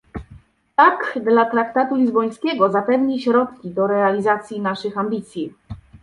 "Tak" dla traktatu lizbońskiego zapewni środki do realizacji naszych ambicji